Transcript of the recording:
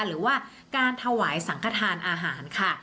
หรือว่าการถวายสังขทานอาหารค่ะ